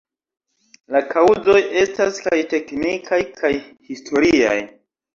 La kaŭzoj estas kaj teknikaj kaj historiaj.